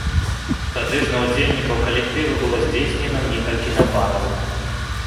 Тады ж на ўдзельнікаў калектыву было здзейснена некалькі нападаў.